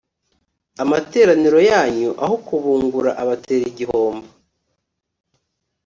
amateraniro yanyu aho kubungura abatera igihombo.